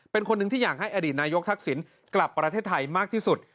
เป็นคนหนึ่งที่อยากให้อดีตนายกทักษิณกลับประเทศไทยมากที่สุด